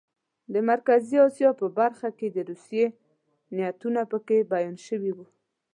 د مرکزي اسیا په برخه کې د روسیې نیتونه پکې بیان شوي وو.